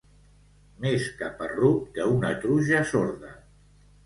Més caparrut que una truja sorda.